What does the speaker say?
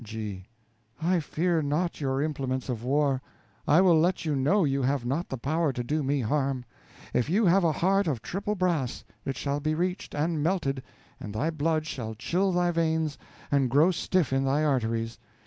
G. I fear not your implements of war; I will let you know you have not the power to do me harm. If you have a heart of triple brass, it shall be reached and melted, and thy blood shall chill thy veins and grow stiff in thy arteries.